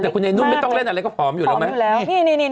แต่คุณไอ้นุ่นไม่ต้องเล่นอะไรก็ผอมอยู่แล้วไหม